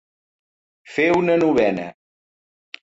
Fer una novena.